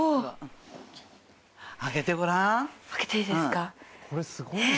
開けてごらん。